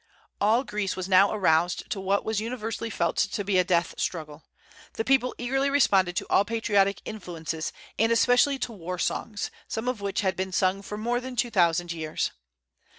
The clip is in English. All Greece was now aroused to what was universally felt to be a death struggle. The people eagerly responded to all patriotic influences, and especially to war songs, some of which had been sung for more than two thousand years.